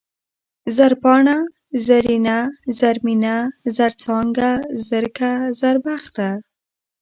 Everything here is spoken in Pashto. زرپاڼه ، زرينه ، زرمينه ، زرڅانگه ، زرکه ، زربخته